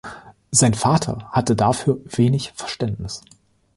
Sein Vater hatte dafür wenig Verständnis.